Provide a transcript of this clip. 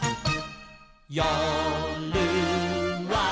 「よるは」